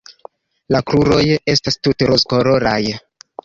La kruroj estas tute rozkoloraj.